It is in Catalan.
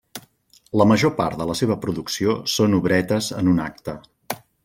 La major part de la seva producció són obretes en un acte.